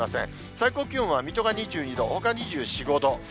最高気温は水戸が２２度、ほか２４、５度。